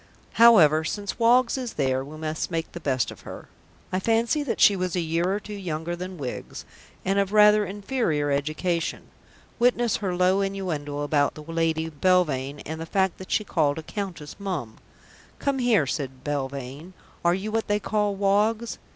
However, since Woggs is there, we must make the best of her. I fancy that she was a year or two younger than Wiggs and of rather inferior education. Witness her low innuendo about the Lady Belvane, and the fact that she called a Countess "Mum." "Come here," said Belvane. "Are you what they call Woggs?"